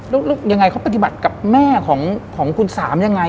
แล้วยังไงเขาปฏิบัติกับแม่ของคุณสามยังไง